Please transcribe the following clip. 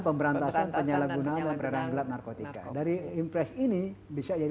pemberantasan penyalahgunaan dan peredaran gelap narkotika dari impres ini bisa jadi